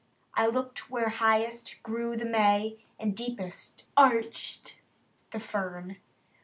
I looked where highest grew the May, And deepest arched the fern.